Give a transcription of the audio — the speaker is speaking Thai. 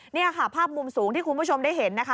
นี่ค่ะภาพมุมสูงที่คุณผู้ชมได้เห็นนะคะ